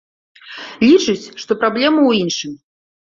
Лічыць, што праблема ў іншым.